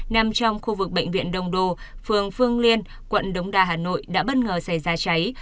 nằm trong khu vực bệnh viện đồng đô phường phương liên quận đống đa hà nội đã bất ngờ xảy ra cháy